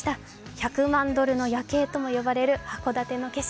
１００万ドルの夜景ともいわれる函館の景色